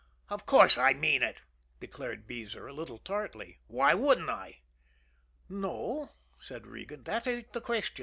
"Of course, I mean it," declared Beezer, a little tartly. "Why wouldn't I?" "No," said Regan; "that ain't the question.